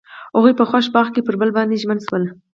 هغوی په خوښ باغ کې پر بل باندې ژمن شول.